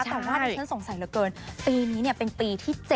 แต่ว่าดิฉันสงสัยเหลือเกินปีนี้เป็นปีที่๗